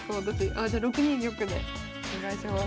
あじゃあ６二玉でお願いします。